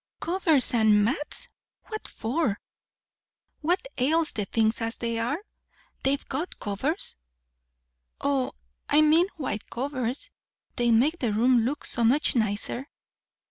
"Covers and mats! What for? What ails the things as they are? They've got covers." "O, I mean white covers. They make the room look so much nicer."